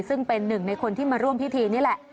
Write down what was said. ซึ่งเป็นหนึ่งในคนที่มาร่วมพิธีนี่แหละ